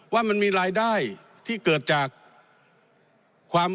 ว่ามันมีรายได้ที่เกิดจากความ